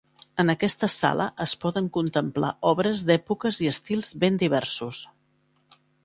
En aquesta sala es poden contemplar obres d'èpoques i estils ben diversos.